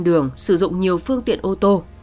đường sử dụng nhiều phương tiện ô tô